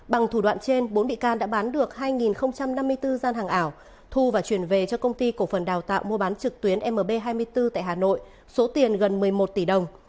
bằng thủ đoạn trên bốn bị can đã bán được hai năm mươi bốn gian hàng ảo thu và chuyển về cho công ty cổ phần đào tạo mua bán trực tuyến mb hai mươi bốn tại hà nội số tiền gần một mươi một tỷ đồng